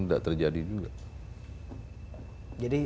bisa jadi juga